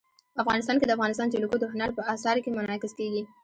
افغانستان کې د افغانستان جلکو د هنر په اثار کې منعکس کېږي.